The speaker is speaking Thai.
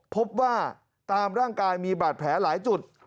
พบว่าตามร่างกายมีบาดแผลหลายจุด